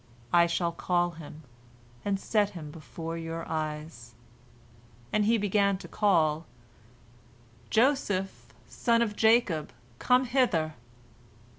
I shall call him, and set him before your eyes," and he began to call, "Joseph, son of Jacob, come hither!